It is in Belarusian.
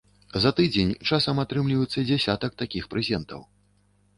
За тыдзень часам атрымліваецца дзясятак такіх прэзентаў.